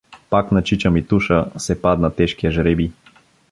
Пак на чича Митуша се падна тежкият жребий.